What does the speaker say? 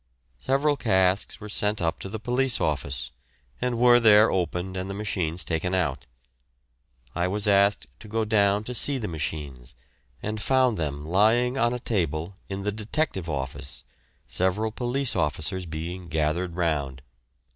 Several casks were sent up to the police office and were there opened and the machines taken out. I was asked to go down to see the machines, and found them lying on a table in the detective office, several police officers being gathered round.